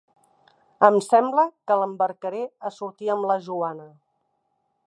Em sembla que l'embarcaré a sortir amb la Joana.